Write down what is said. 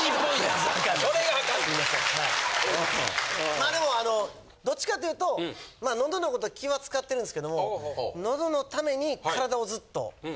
まあでもあのどっちかっていうと喉の事は気は使ってるんですけども喉のために体をずっとはい。